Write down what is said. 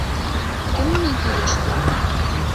Кем менән һөйләшәһең?